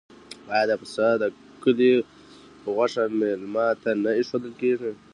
آیا د پسه د کلي غوښه میلمه ته نه ایښودل کیږي؟